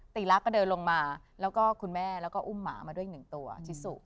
ตีรักก็เดินลงมาแล้วก็คุณแม่แล้วก็อุ้มหมามาด้วยอีกหนึ่งตัวที่สุ